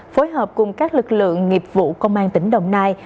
phối hợp cùng các lực lượng nghiệp vụ công an tỉnh đồng nai